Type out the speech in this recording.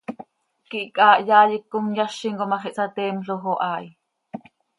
quih chaa hyaai hipcom yazim com hax ihsateemloj oo haa hi.